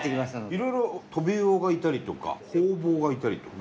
いろいろトビウオがいたりとかホウボウがいたりとか。